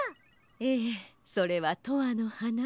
ええそれは「とわのはな」。